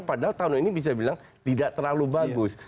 padahal tahun ini bisa bilang tidak terlalu bagus